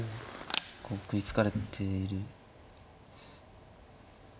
結構食いつかれている。